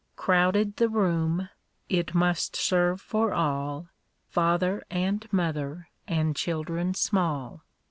Crowded the room ‚ÄĒ it must serve for all. Father and mother and children small.